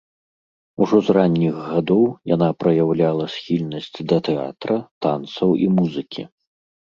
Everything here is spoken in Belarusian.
Ужо з ранніх гадоў яна праяўляла схільнасць да тэатра, танцаў і музыкі.